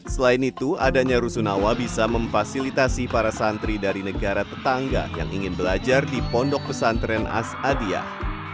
selain itu adanya rusunawa bisa memfasilitasi para santri dari negara tetangga yang ingin belajar di pondok pesantren asadiyah